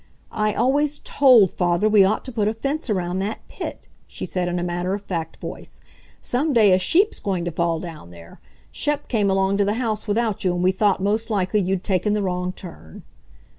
"I always TOLD Father we ought to put a fence around that pit," she said in a matter of fact voice. "Some day a sheep's going to fall down there. Shep came along to the house without you, and we thought most likely you'd taken the wrong turn."